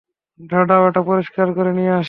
দাঁড়াও এটা পরিষ্কার করে নিয়ে আসি।